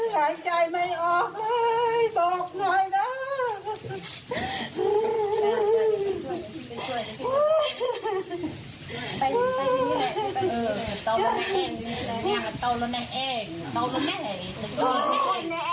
นายอย่าไว้ล้างใจไม่ออกเลยโตขน่อยนะ